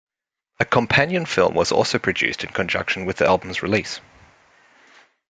A companion film was also produced in conjunction with the album's release.